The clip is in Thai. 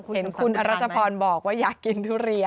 เห็นคุณอรัชพรบอกว่าอยากกินทุเรียน